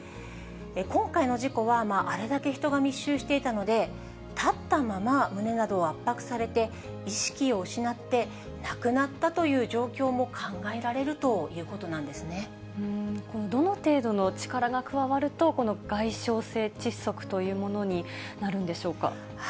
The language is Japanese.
今回の事故は、あれだけ人が密集していたので、立ったまま、胸などを圧迫されて、意識を失って亡くなったという状況も考えられるということなんでどの程度の力が加わると、この外傷性窒息というものになるんでしょうか。